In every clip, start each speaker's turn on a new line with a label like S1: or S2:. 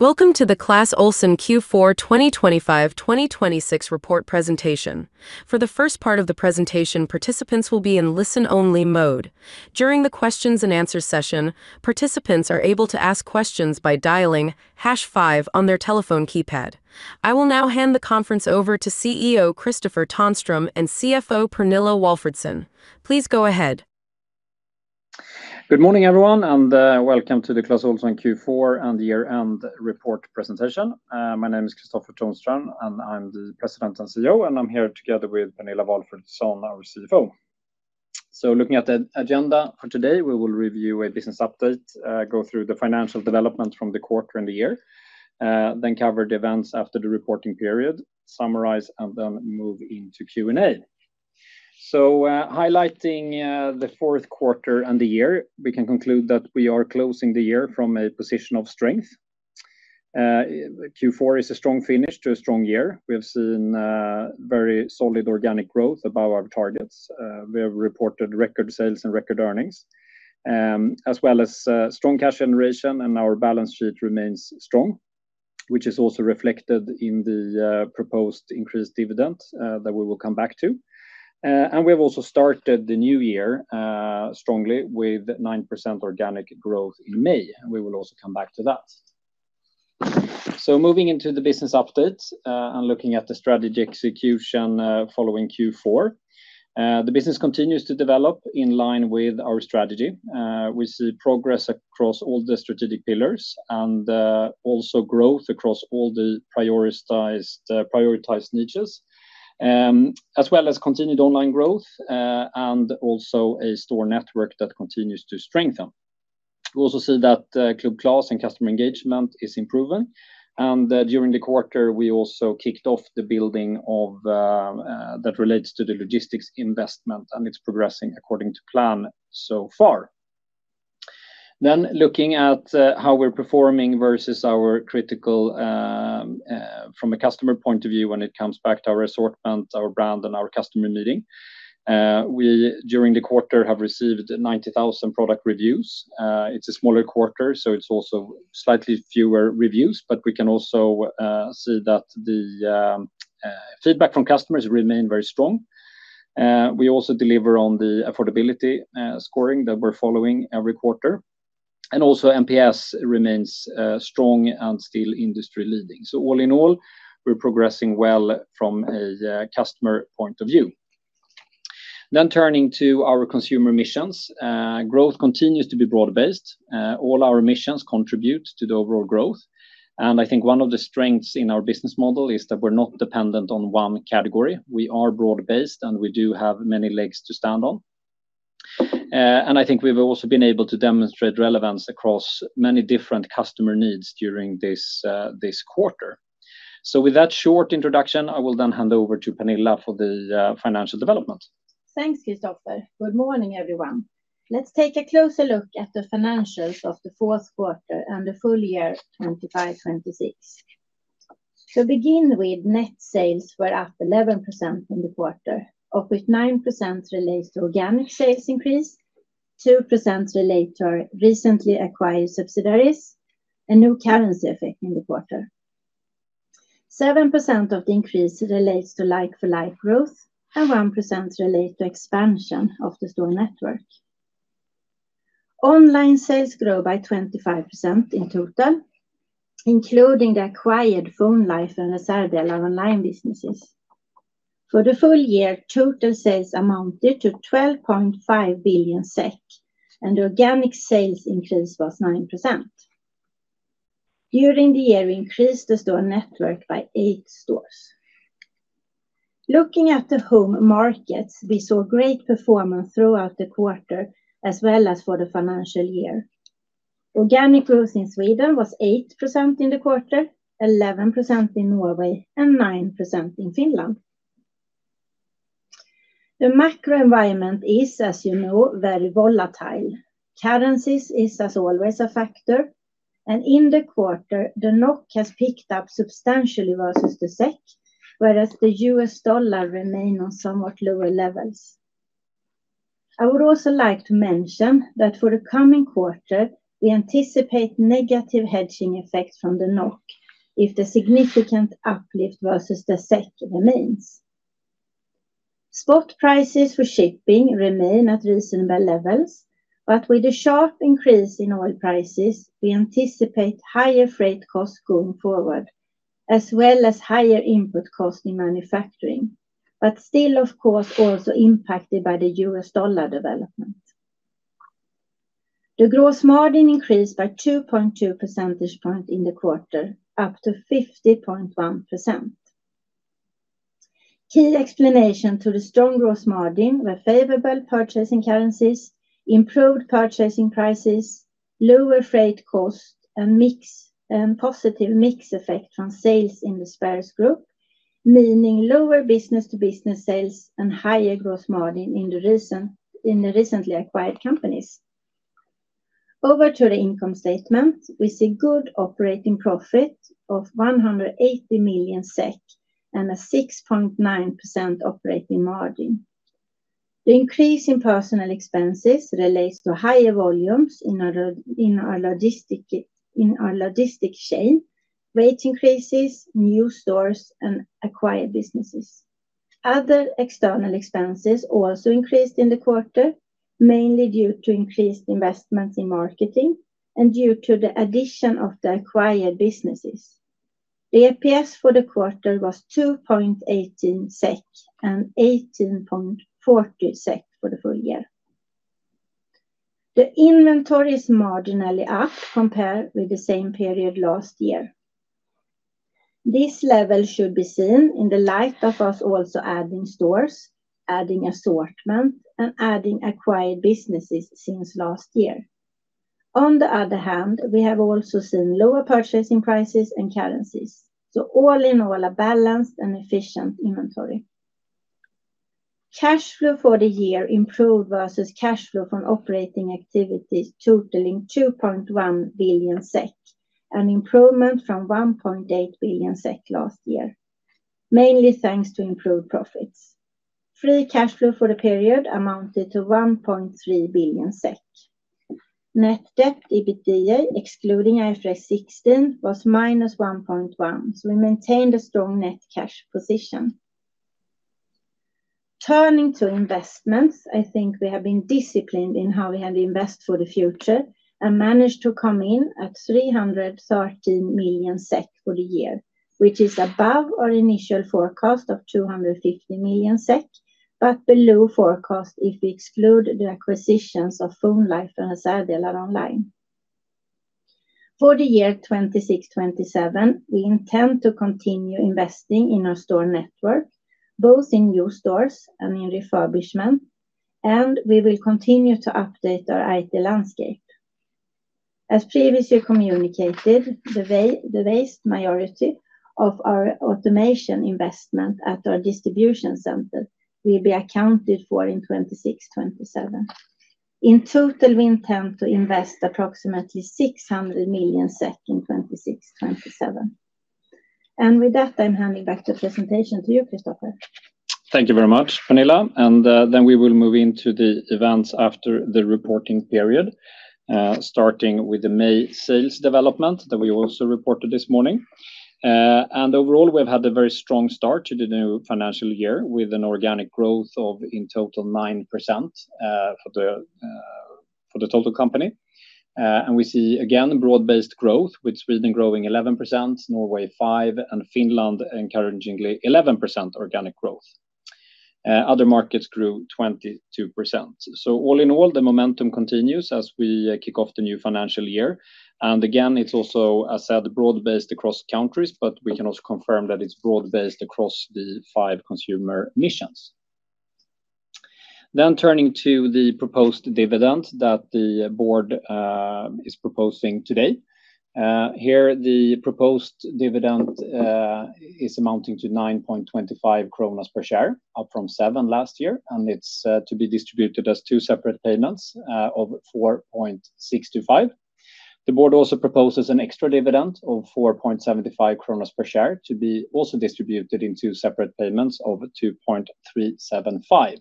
S1: Welcome to the Clas Ohlson Q4 2025/2026 report presentation. For the first part of the presentation, participants will be in listen-only mode. During the questions and answers session, participants are able to ask questions by dialing hash five on their telephone keypad. I will now hand the conference over to Chief Executive Officer Kristofer Tonström and Chief Financial Officer Pernilla Walfridsson. Please go ahead.
S2: Good morning, everyone, and welcome to the Clas Ohlson Q4 and year-end report presentation. My name is Kristofer Tonström, and I'm the President and Chief Executive Officer, and I'm here together with Pernilla Walfridsson, our Chief Financial Officer. Looking at the agenda for today, we will review a business update, go through the financial development from the quarter and the year, then cover the events after the reporting period, summarize, and then move into Q&A. Highlighting the fourth quarter and the year, we can conclude that we are closing the year from a position of strength. Q4 is a strong finish to a strong year. We have seen very solid organic growth above our targets. We have reported record sales and record earnings, as well as strong cash generation, and our balance sheet remains strong, which is also reflected in the proposed increased dividend that we will come back to. We have also started the new year strongly with 9% organic growth in May. We will also come back to that. Moving into the business updates and looking at the strategy execution following Q4, the business continues to develop in line with our strategy. We see progress across all the strategic pillars and also growth across all the prioritized niches, as well as continued online growth and also a store network that continues to strengthen. We also see that Club Clas and customer engagement is improving. During the quarter, we also kicked off the building that relates to the logistics investment, and it's progressing according to plan so far. Looking at how we're performing versus our critical from a customer point of view when it comes back to our assortment, our brand, and our customer meeting. We, during the quarter, have received 90,000 product reviews. It's a smaller quarter, so it's also slightly fewer reviews, but we can also see that the feedback from customers remain very strong. We also deliver on the affordability scoring that we're following every quarter. Also NPS remains strong and still industry-leading. All in all, we're progressing well from a customer point of view. Turning to our consumer missions. Growth continues to be broad-based. All our missions contribute to the overall growth. I think one of the strengths in our business model is that we're not dependent on one category. We are broad-based, and we do have many legs to stand on. I think we've also been able to demonstrate relevance across many different customer needs during this quarter. With that short introduction, I will then hand over to Pernilla for the financial development.
S3: Thanks, Kristofer. Good morning, everyone. Let's take a closer look at the financials of the fourth quarter and the full year 2025/2026. To begin with, net sales were up 11% in the quarter, of which 9% relates to organic sales increase, 2% relate to our recently acquired subsidiaries and no currency effect in the quarter. 7% of the increase relates to like-for-like growth and 1% relate to expansion of the store network. Online sales grew by 25% in total, including the acquired PhoneLife and Reservdelaronline online businesses. For the full year, total sales amounted to 12.5 billion SEK, and the organic sales increase was 9%. During the year, we increased the store network by eight stores. Looking at the home markets, we saw great performance throughout the quarter as well as for the financial year. Organic growth in Sweden was 8% in the quarter, 11% in Norway, and 9% in Finland. The macro environment is, as you know, very volatile. Currencies is as always a factor, and in the quarter, the NOK has picked up substantially versus the SEK, whereas the US dollar remain on somewhat lower levels. I would also like to mention that for the coming quarter, we anticipate negative hedging effect from the NOK if the significant uplift versus the SEK remains. Spot prices for shipping remain at reasonable levels, but with a sharp increase in oil prices, we anticipate higher freight costs going forward, as well as higher input cost in manufacturing, but still, of course, also impacted by the US dollar development. The gross margin increased by 2.2 percentage point in the quarter, up to 50.1%. Key explanation to the strong gross margin were favorable purchasing currencies, improved purchasing prices, lower freight cost, and positive mix effect from sales in the Spares Group, meaning lower business-to-business sales and higher gross margin in the recently acquired companies. Over to the income statement. We see good operating profit of 180 million SEK and a 6.9% operating margin. The increase in personnel expenses relates to higher volumes in our logistic chain, wage increases, new stores, and acquired businesses. Other external expenses also increased in the quarter, mainly due to increased investments in marketing and due to the addition of the acquired businesses. The EPS for the quarter was 2.18 SEK and 18.40 SEK for the full year. The inventory is marginally up compared with the same period last year. This level should be seen in the light of us also adding stores, adding assortment, and adding acquired businesses since last year. We have also seen lower purchasing prices and currencies. All in all, a balanced and efficient inventory. Cash flow for the year improved versus cash flow from operating activities totaling 2.1 billion SEK, an improvement from 1.8 billion SEK last year, mainly thanks to improved profits. Free cash flow for the period amounted to 1.3 billion SEK. Net debt, EBITDA, excluding IFRS 16, was -1.1. We maintained a strong net cash position. Turning to investments, I think we have been disciplined in how we have invested for the future and managed to come in at 313 million SEK for the year, which is above our initial forecast of 250 million SEK, but below forecast if we exclude the acquisitions of PhoneLife and Reservdelaronline. For the year 2026, 2027, we intend to continue investing in our store network, both in new stores and in refurbishment, we will continue to update our IT landscape. As previously communicated, the vast majority of our automation investment at our distribution center will be accounted for in 2026, 2027. In total, we intend to invest approximately 600 million SEK in 2026, 2027. With that, I'm handing back the presentation to you, Kristofer.
S2: Thank you very much, Pernilla. We will move into the events after the reporting period, starting with the May sales development that we also reported this morning. Overall, we've had a very strong start to the new financial year with an organic growth of, in total, 9% for the total company. We see, again, broad-based growth, with Sweden growing 11%, Norway 5%, and Finland encouragingly 11% organic growth. Other markets grew 22%. All in all, the momentum continues as we kick off the new financial year. Again, it's also broad-based across countries, but we can also confirm that it's broad-based across the five consumer missions. Turning to the proposed dividend that the board is proposing today. Here, the proposed dividend is amounting to 9.25 kronor per share, up from 7 last year, and it's to be distributed as two separate payments of 4.625. The board also proposes an extra dividend of 4.75 kronor per share to be also distributed in two separate payments of 2.375.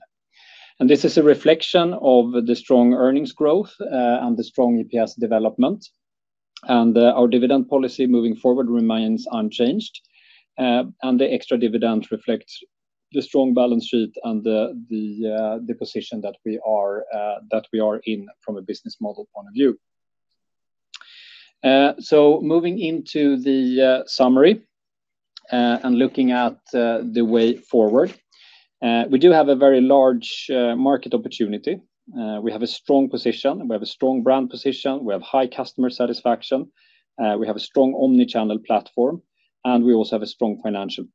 S2: This is a reflection of the strong earnings growth and the strong EPS development. Our dividend policy moving forward remains unchanged, and the extra dividend reflects the strong balance sheet and the position that we are in from a business model point of view. Moving into the summary and looking at the way forward. We do have a very large market opportunity. We have a strong position, we have a strong brand position, we have high customer satisfaction, we have a strong omnichannel platform, and we also have a strong financial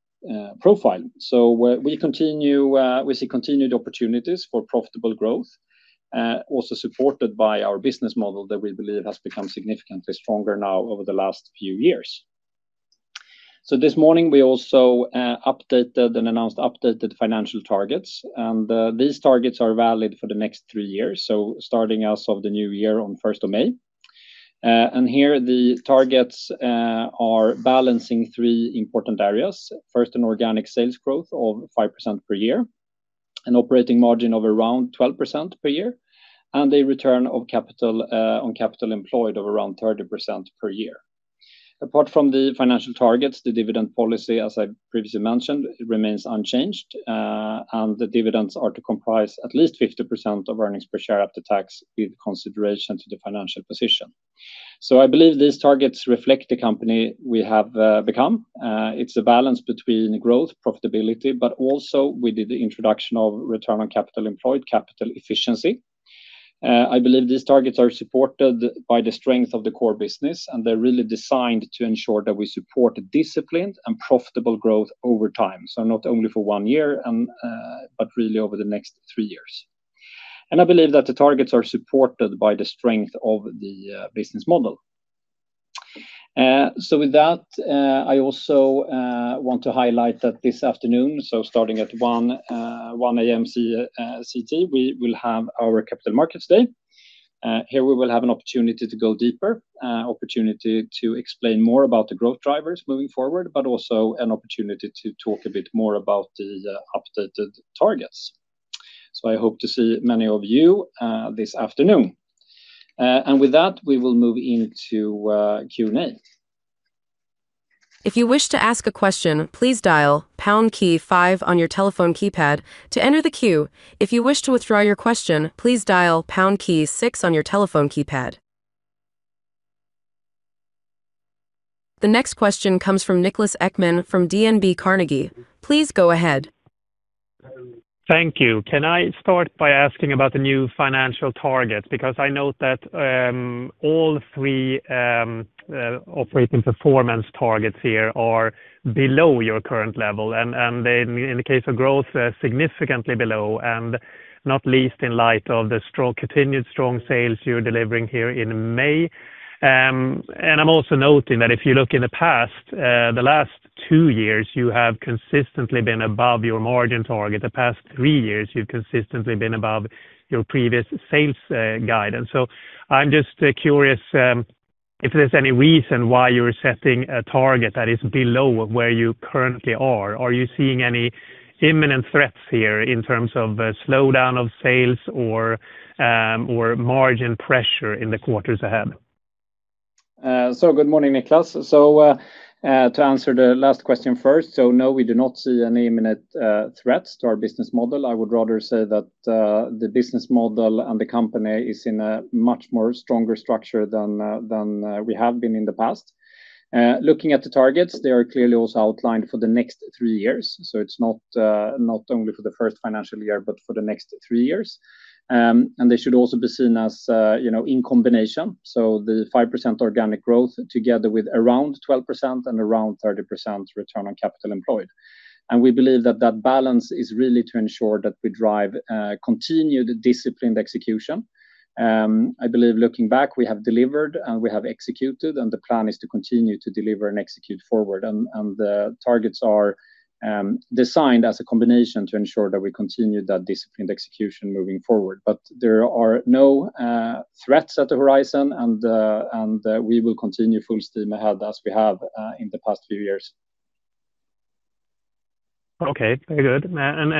S2: profile. We see continued opportunities for profitable growth, also supported by our business model that we believe has become significantly stronger now over the last few years. This morning, we also updated and announced updated financial targets, and these targets are valid for the next three years, starting as of the new year on the 1st of May. Here the targets are balancing three important areas. First, an organic sales growth of 5% per year, an operating margin of around 12% per year, and a return on capital employed of around 30% per year. Apart from the financial targets, the dividend policy, as I previously mentioned, remains unchanged, and the dividends are to comprise at least 50% of earnings per share after tax with consideration to the financial position. I believe these targets reflect the company we have become. It's a balance between growth, profitability, but also we did the introduction of return on capital employed, capital efficiency. I believe these targets are supported by the strength of the core business, and they're really designed to ensure that we support disciplined and profitable growth over time. Not only for one year, but really over the next three years. I believe that the targets are supported by the strength of the business model. With that, I also want to highlight that this afternoon, so starting at 1:00 A.M. CET, we will have our Capital Markets Day. Here we will have an opportunity to go deeper, opportunity to explain more about the growth drivers moving forward, but also an opportunity to talk a bit more about the updated targets. I hope to see many of you this afternoon. With that, we will move into Q&A.
S1: If you wish to ask a question, please dial pound key five on your telephone keypad to enter the queue. If you wish to withdraw your question, please dial pound key six on your telephone keypad. The next question comes from Niklas Ekman from DNB Carnegie. Please go ahead.
S4: Thank you. Can I start by asking about the new financial targets? I note that all three operating performance targets here are below your current level, and in the case of growth, significantly below, and not least in light of the continued strong sales you're delivering here in May. I'm also noting that if you look in the past the last two years, you have consistently been above your margin target. The past three years, you've consistently been above your previous sales guidance. I'm just curious if there's any reason why you're setting a target that is below where you currently are. Are you seeing any imminent threats here in terms of slowdown of sales or margin pressure in the quarters ahead?
S2: Good morning, Niklas. To answer the last question first, no, we do not see any imminent threats to our business model. I would rather say that the business model and the company is in a much more stronger structure than we have been in the past. Looking at the targets, they are clearly also outlined for the next three years. It's not only for the first financial year, but for the next three years. They should also be seen as in combination, so the 5% organic growth together with around 12% and around 30% return on capital employed. We believe that that balance is really to ensure that we drive continued disciplined execution. I believe looking back, we have delivered, and we have executed, and the plan is to continue to deliver and execute forward. The targets are designed as a combination to ensure that we continue that disciplined execution moving forward. There are no threats at the horizon, and we will continue full steam ahead as we have in the past few years.
S4: Okay. Very good.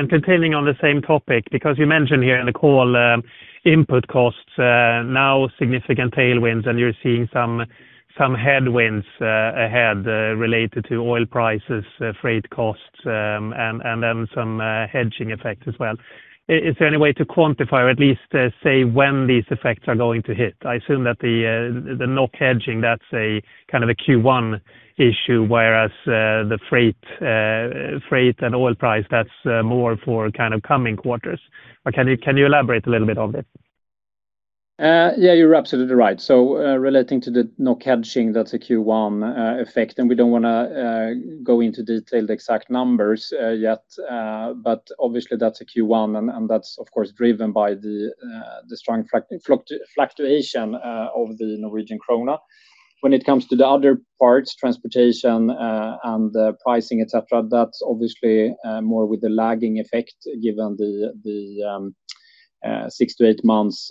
S4: Continuing on the same topic, because you mentioned here in the call input costs now significant tailwinds, and you're seeing some headwinds ahead related to oil prices, freight costs, and then some hedging effect as well. Is there any way to quantify or at least say when these effects are going to hit? I assume that the NOK hedging, that's a Q1 issue, whereas the freight and oil price, that's more for coming quarters. Can you elaborate a little bit on this?
S2: Yeah, you're absolutely right. Relating to the NOK hedging, that's a Q1 effect, and we don't want to go into detailed exact numbers yet. Obviously that's a Q1, and that's of course driven by the strong fluctuation of the Norwegian krona. When it comes to the other parts, transportation and pricing, et cetera, that's obviously more with the lagging effect given the six to eight months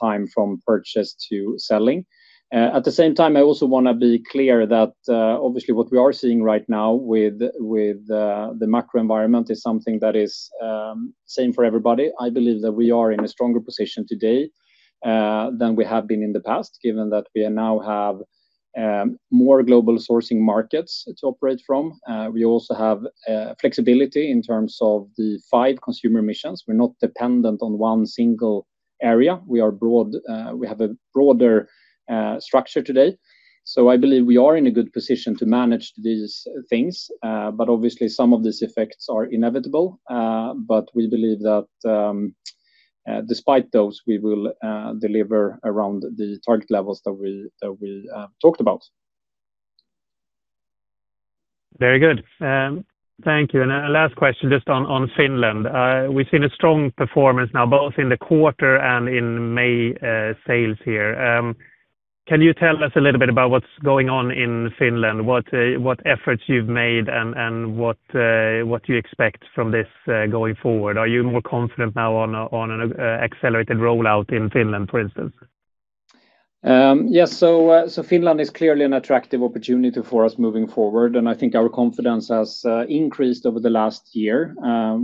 S2: time from purchase to selling. At the same time, I also want to be clear that obviously what we are seeing right now with the macro environment is something that is same for everybody. I believe that we are in a stronger position today than we have been in the past, given that we now have more global sourcing markets to operate from. We also have flexibility in terms of the five consumer missions. We're not dependent on one single area. We have a broader structure today. I believe we are in a good position to manage these things. Obviously some of these effects are inevitable. We believe that despite those, we will deliver around the target levels that we talked about.
S4: Very good. Thank you. Last question just on Finland. We've seen a strong performance now both in the quarter and in May sales here. Can you tell us a little bit about what's going on in Finland? What efforts you've made and what you expect from this going forward? Are you more confident now on an accelerated rollout in Finland, for instance?
S2: Yes. Finland is clearly an attractive opportunity for us moving forward, and I think our confidence has increased over the last year.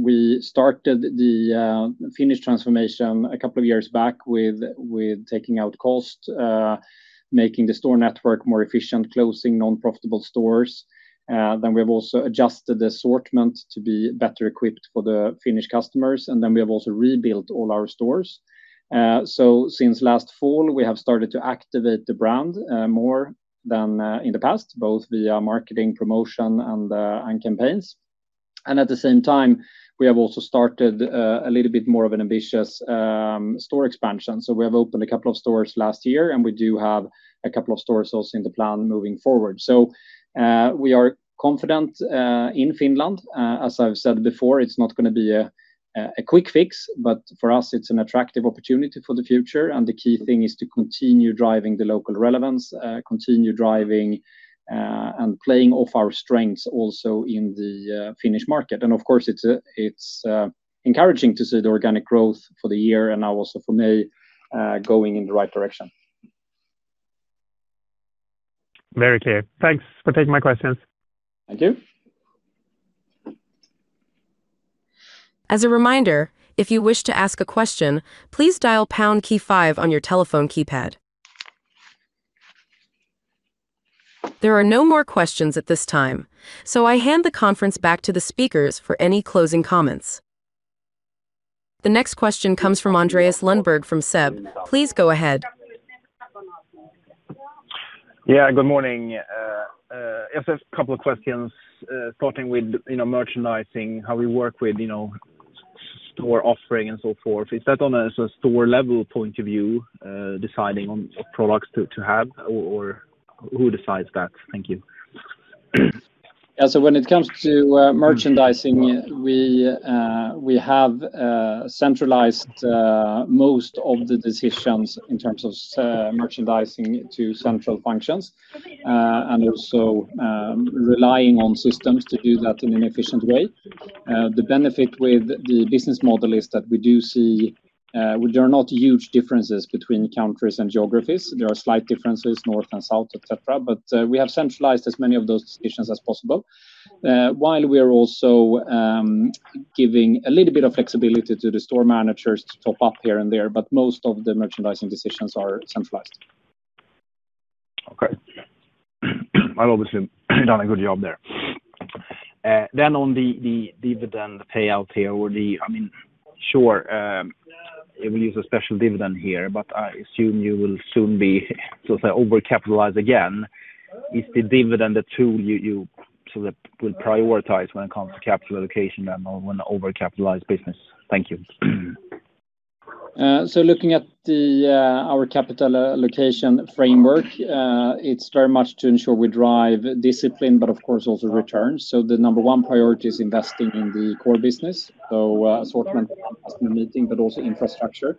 S2: We started the Finnish transformation a couple of years back with taking out cost, making the store network more efficient, closing non-profitable stores. We have also adjusted the assortment to be better equipped for the Finnish customers, and we have also rebuilt all our stores. Since last fall, we have started to activate the brand more than in the past, both via marketing promotion and campaigns. At the same time, we have also started a little bit more of an ambitious store expansion. We have opened a couple of stores last year, and we do have a couple of stores also in the plan moving forward. We are confident in Finland. As I've said before, it's not going to be a quick fix. For us it's an attractive opportunity for the future. The key thing is to continue driving the local relevance, continue driving and playing off our strengths also in the Finnish market. Of course, it's encouraging to see the organic growth for the year and now also for me going in the right direction.
S4: Very clear. Thanks for taking my questions.
S2: Thank you.
S1: As a reminder, if you wish to ask a question, please dial pound key five on your telephone keypad. I hand the conference back to the speakers for any closing comments. The next question comes from Andreas Lundberg from SEB. Please go ahead.
S5: Yeah, good morning. Just a couple of questions starting with merchandising, how we work with store offering and so forth. Is that on a store-level point of view deciding on what products to have or who decides that? Thank you.
S2: When it comes to merchandising, we have centralized most of the decisions in terms of merchandising to central functions and also relying on systems to do that in an efficient way. The benefit with the business model is that there are not huge differences between countries and geographies. There are slight differences, North and South, et cetera, but we have centralized as many of those decisions as possible while we are also giving a little bit of flexibility to the store managers to top up here and there. Most of the merchandising decisions are centralized.
S5: Okay. Well, obviously done a good job there. On the dividend payout here, sure, it will use a special dividend here, but I assume you will soon be overcapitalized again. Is the dividend the tool you will prioritize when it comes to capital allocation then on when overcapitalized business? Thank you.
S2: Looking at our capital allocation framework, it's very much to ensure we drive discipline, but of course also returns. The number one priority is investing in the core business. Assortment and customer meeting, but also infrastructure,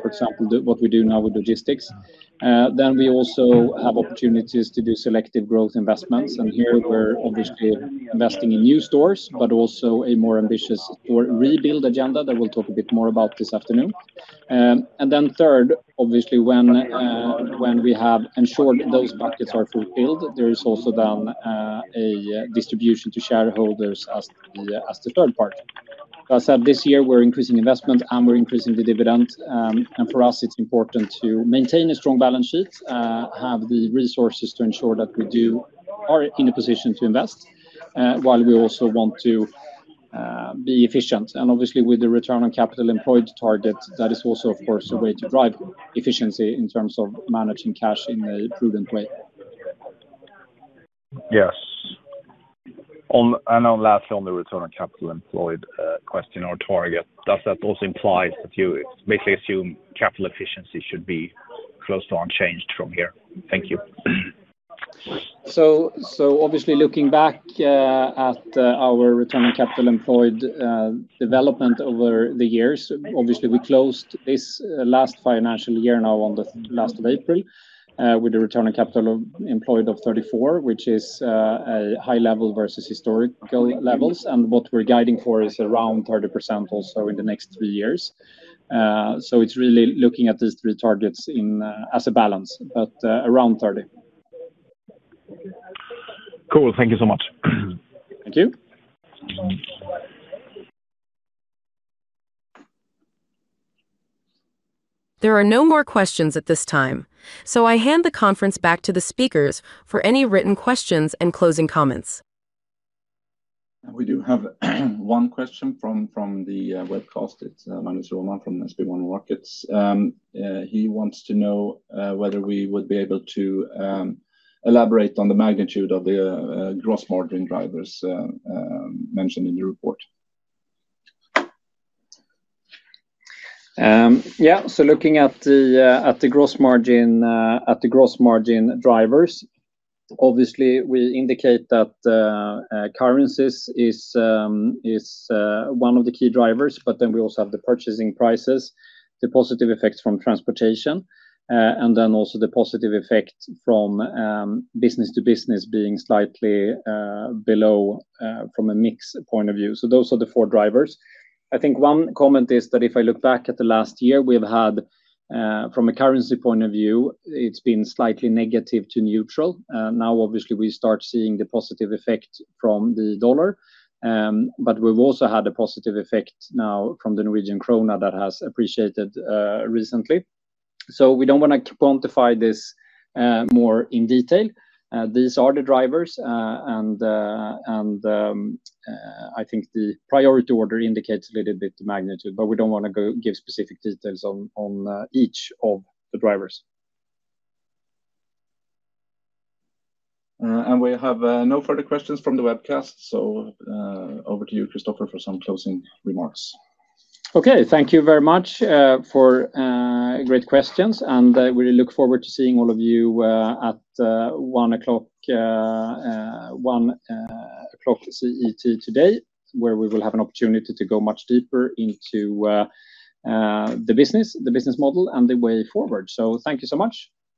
S2: for example, what we do now with logistics. We also have opportunities to do selective growth investments, and here we're obviously investing in new stores, but also a more ambitious store rebuild agenda that we'll talk a bit more about this afternoon. Third, obviously, when we have ensured those buckets are fulfilled, there is also then a distribution to shareholders as the third part. As said, this year, we're increasing investment and we're increasing the dividend. For us, it's important to maintain a strong balance sheet, have the resources to ensure that we are in a position to invest while we also want to be efficient. Obviously with the return on capital employed target, that is also, of course, a way to drive efficiency in terms of managing cash in a prudent way.
S5: Yes. Lastly, on the return on capital employed question or target, does that also imply that you basically assume capital efficiency should be close to unchanged from here? Thank you.
S2: Obviously looking back at our return on capital employed development over the years, obviously we closed this last financial year now on the last of April with the return on capital employed of 34, which is a high level versus historical levels. What we're guiding for is around 30% also in the next three years. It's really looking at these three targets as a balance, but around 30.
S5: Cool. Thank you so much.
S2: Thank you.
S1: There are no more questions at this time, so I hand the conference back to the speakers for any written questions and closing comments.
S6: We do have one question from the webcast. It is Magnus Råman from SB1 Markets. He wants to know whether we would be able to elaborate on the magnitude of the gross margin drivers mentioned in the report.
S2: Yeah. Looking at the gross margin drivers, obviously we indicate that currencies is one of the key drivers, but then we also have the purchasing prices, the positive effects from transportation, and then also the positive effect from business-to-business being slightly below from a mix point of view. Those are the four drivers. I think one comment is that if I look back at the last year we've had from a currency point of view, it's been slightly negative to neutral. Obviously we start seeing the positive effect from the dollar, but we've also had a positive effect now from the Norwegian krona that has appreciated recently. We don't want to quantify this more in detail. These are the drivers, and I think the priority order indicates a little bit the magnitude, but we don't want to give specific details on each of the drivers.
S6: We have no further questions from the webcast. Over to you, Kristofer, for some closing remarks.
S2: Okay. Thank you very much for great questions and we look forward to seeing all of you at 1:00 CET today where we will have an opportunity to go much deeper into the business model, and the way forward. Thank you so much.